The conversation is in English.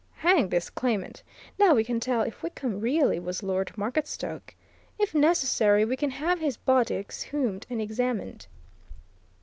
Hang this claimant! Now we can tell if Wickham really was Lord Marketstoke. If necessary, we can have his body exhumed and examined."